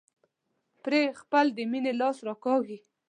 پرې خپل د مينې لاس راکاږي.